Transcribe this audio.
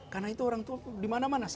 karena itu orang tua dimana mana saja